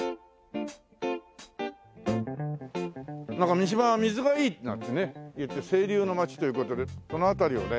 三島は水がいいなんてねいって清流の街という事でこの辺りをね